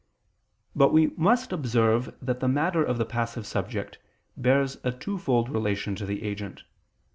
But we must observe that the matter of the passive subject bears a twofold relation to the agent.